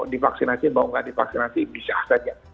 divaksinasi mau nggak divaksinasi bisa saja